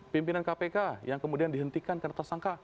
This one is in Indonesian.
pimpinan kpk yang kemudian dihentikan karena tersangka